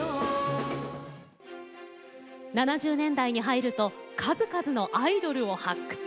７０年代に入ると数々のアイドルを発掘。